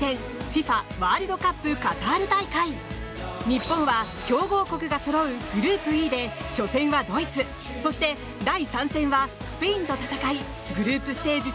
日本は強豪国がそろうグループＥで、初戦はドイツそして第３戦はスペインと戦いグループステージ